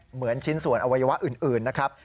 เหมือนชิ้นส่วนอวัยวะอื่นนะครับ